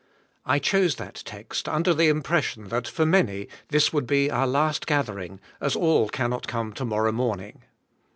I chose that text under the impression that, for many, this would be our last g*athering , as all can not come to morrow morning